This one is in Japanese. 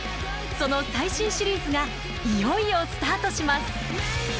その最新シリーズがいよいよスタートします！